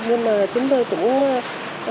nhưng mà chúng tôi cũng quyết